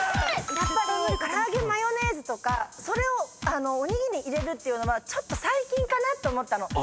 やっぱり唐揚げマヨネーズとかそれをおにぎりに入れるっていうのはちょっと最近かなと思ったの。